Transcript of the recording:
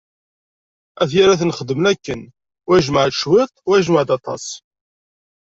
At Yiraten xedmen akken, wa ijemɛ-d cwiṭ, wa ijemɛ-d aṭas.